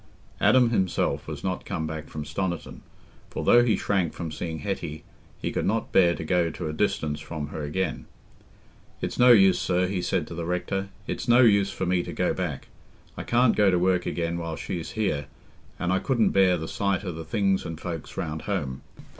Adam himself was not come back from Stoniton, for though he shrank from seeing Hetty, he could not bear to go to a distance from her again. "It's no use, sir," he said to the rector, "it's no use for me to go back. I can't go to work again while she's here, and I couldn't bear the sight o' the things and folks round home.